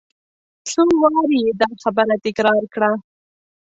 څو وارې یې دا خبره تکرار کړه.